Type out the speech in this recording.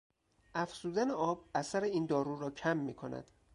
افزودن آب اثر این دارو را کم میکند.